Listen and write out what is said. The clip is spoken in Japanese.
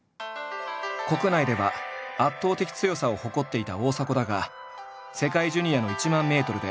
国内では圧倒的強さを誇っていた大迫だが世界ジュニアの１００００ｍで８位。